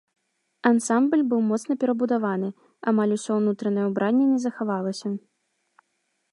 Ансамбль быў моцна перабудаваны, амаль усё ўнутранае ўбранне не захавалася.